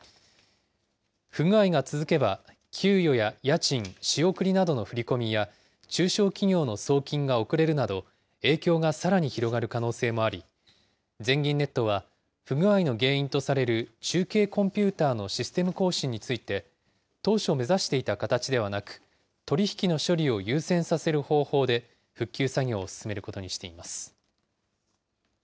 不具合が続けば、給与や家賃、仕送りなどの振り込みや、中小企業の送金が遅れるなど、影響がさらに広がる可能性もあり、全銀ネットは、不具合の原因とされる中継コンピューターのシステム更新について、当初目指していた形ではなく、取り引きの処理を優先させる方法で復旧作業を進めることにしています。